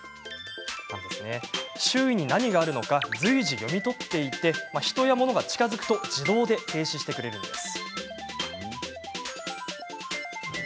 周囲に何があるのか随時、読み取っていて人や物が近づくと自動で停止してくれるんです。